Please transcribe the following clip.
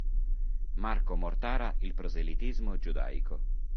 Marco Mortara Il proselitismo giudaico.